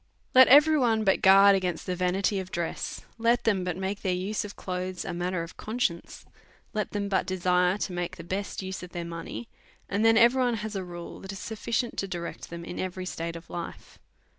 Let every one but guard ag ainst the vanity of dress, let them but make their use of clothes a matter of con science, let them but desire to make the best use of their money, and then every one has a rule that is suf ficient to direct them in every state of life.